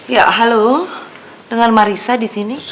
ya halo dengan marissa disini